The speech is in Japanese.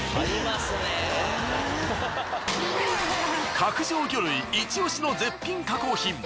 角上魚類イチオシの絶品加工品。